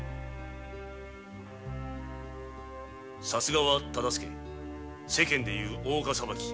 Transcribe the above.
さすがは忠相世間で申す大岡裁き。